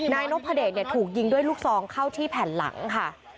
นายนพเดชถูกยิงด้วยลูกซองเข้าที่แผ่นหลังค่ะ